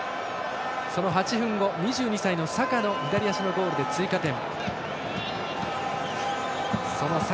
その８分後、２２歳のサカの左足のゴールで追加点。